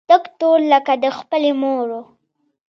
تک تور لکه د خپلې مور و.